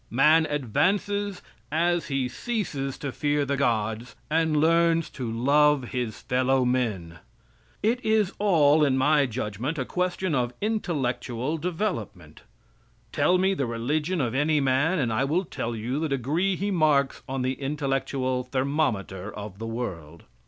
Man advances as he ceases to fear the gods and learns to love his fellow men. It is all, in my judgment, a question of intellectual development. Tell me the religion of any man and I will tell you the degree he marks on the intellectual thermometer of the world.